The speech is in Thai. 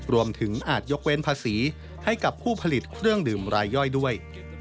อาจยกเว้นภาษีให้กับผู้ผลิตเครื่องดื่มรายย่อยด้วย